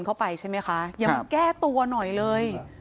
เข้าไปใช่ไหมคะอย่ามาแก้ตัวหน่อยเลย